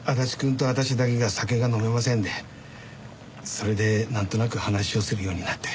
それでなんとなく話をするようになって。